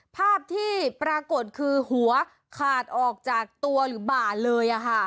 ภาพที่ปรากฏคือหัวขาดออกจากตัวหรือบ่าเลย